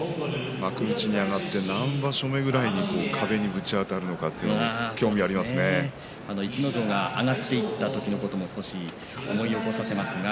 幕内に上がって何場所目ぐらいで壁にぶちあたるのか逸ノ城が上がっていった時のことを思い起こさせます。